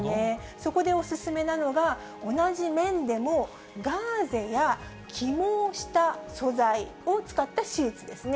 そこでお勧めなのが、同じ綿でもガーゼや起毛した素材を使ったシーツですね。